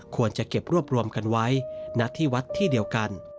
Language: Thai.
ควรจะเก็บรวบรวมกันไว้ณที่วัดที่เดียวกัน